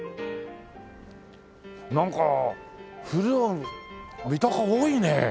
なんか古道具三鷹多いね